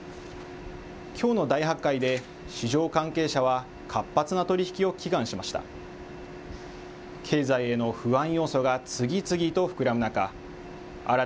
きょうの大発会で市場関係者は活発な取り引きを祈願しました。